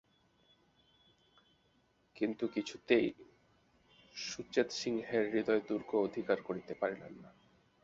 কিন্তু কিছুতেই সুচেতসিংহের হৃদয়দুর্গ অধিকার করিতে পারিলেন না।